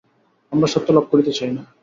আমরা সত্যলাভ করিতে চাই না।